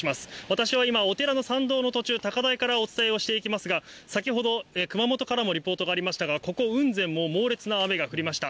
私は今、お寺の参道の途中、高台からお伝えをしていきますが、先ほど熊本からもリポートがありましたが、ここ雲仙も、猛烈な雨が降りました。